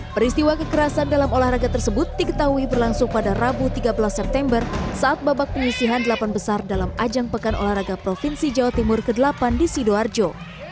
peristiwa kekerasan dalam olahraga tersebut diketahui berlangsung pada rabu tiga belas september saat babak penyisihan delapan besar dalam ajang pekan olahraga provinsi jawa timur ke delapan di sidoarjo